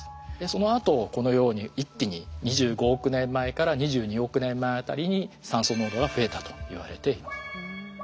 そのあとこのように一気に２５億年前から２２億年前辺りに酸素濃度が増えたといわれています。